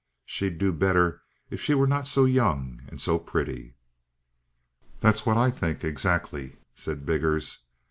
She'd do better if she were not so young and so pretty." "That's what I think exactly," said Biggers.